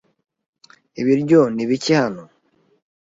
Ibiryo ni bike hano?